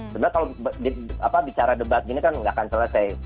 sebenarnya kalau bicara debat gini kan nggak akan selesai